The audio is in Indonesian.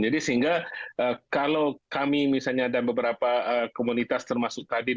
jadi sehingga kalau kami misalnya dan beberapa komunitas termasuk tadin